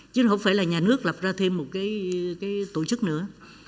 chứ không phải là nhà nước lập ra thêm một cái tổ chức nữa